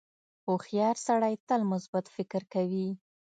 • هوښیار سړی تل مثبت فکر کوي.